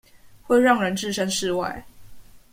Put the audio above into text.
會讓人置身事外